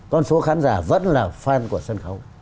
con số khán giả vẫn là fan của sân khấu